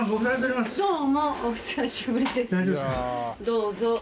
どうぞ。